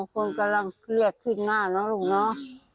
คนกำลังเรียกขึ้นหน้าเนอะลูกเนาะ